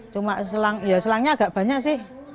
cuma ya selangnya agak banyak sih